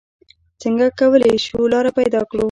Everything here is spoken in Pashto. څنګه کولې شو لاره پېدا کړو؟